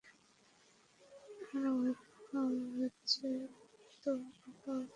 আমার ভয় হচ্ছে, তোর বাবাকে বলবো?